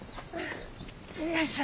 よいしょ。